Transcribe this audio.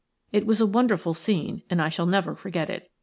It was a wonderful scene, and I shall never forget it.